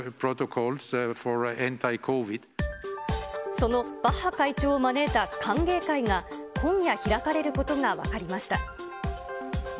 そのバッハ会長を招いた歓迎会が今夜、開かれることが分かりまし